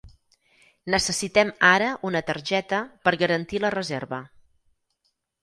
Necessitem ara una targeta per garantir la reserva.